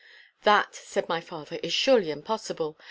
'That,' said my father, 'is surely impossible.